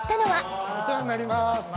お世話になります。